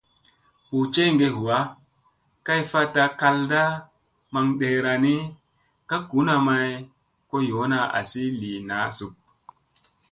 Buu njege ɦuwa ,kay fatta kal nda maŋ deera ni ,ka guna may, go yoona azi li naa zuk.